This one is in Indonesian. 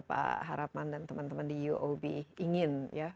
pak harapman dan teman teman di uob ingin ya